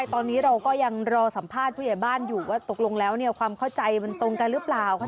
ตอนนี้เราก็ยังรอสัมภาษณ์ผู้ใหญ่บ้านอยู่ว่าตกลงแล้วความเข้าใจมันตรงกันหรือเปล่า